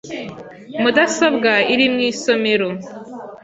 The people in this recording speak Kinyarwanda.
Mudasobwa iri mu isomero .